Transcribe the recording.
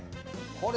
これ。